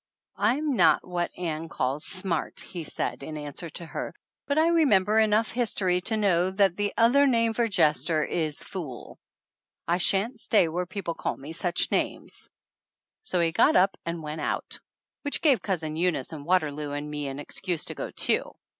"I'm not what Ann calls *smart' !" he said in answer to her, "but I remember enough history 216 THE ANNALS OF ANN to know that the other name for jester is fool. I shan't stay where people call me such names !" So he got up and went out, which gave Cousin Eunice and Waterloo and me an excuse to go too.